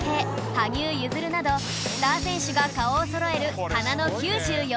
羽生結弦などスター選手が顔をそろえる華の９４年世代